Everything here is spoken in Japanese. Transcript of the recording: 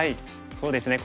そうですね